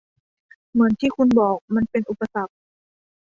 เหมือนที่คุณบอก มันเป็นอุปสรรค